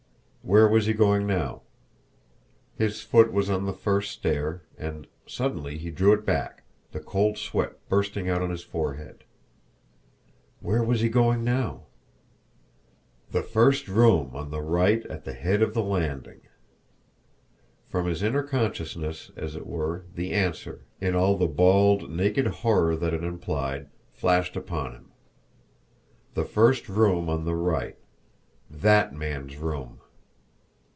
Where was he going now? His foot was on the first stair and suddenly he drew it back, the cold sweat bursting out on his forehead. Where was he going now? "THE FIRST ROOM ON THE RIGHT AT THE HEAD OF THE LANDING." From his inner consciousness, as it were, the answer, in all the bald, naked horror that it implied, flashed upon him. The first room on the right THAT man's room!